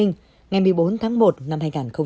ngày một mươi bốn tháng một năm hai nghìn hai mươi